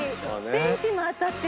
ベンチも当たった。